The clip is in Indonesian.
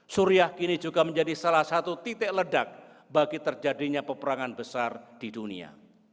suriah kini juga menjadi salah satu titik ledak bagi terjadinya peperangan besar di dunia